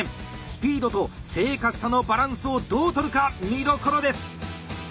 「スピード」と「正確さ」のバランスをどう取るか見どころです。